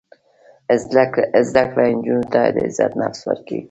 زده کړه نجونو ته د عزت نفس ورکوي.